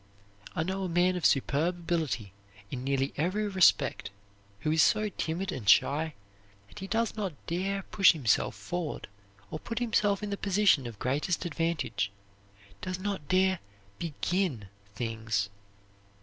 I know a man of superb ability in nearly every respect who is so timid and shy that he does not dare push himself forward or put himself in the position of greatest advantage, does not dare begin things.